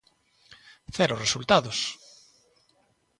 ¡Cero resultados!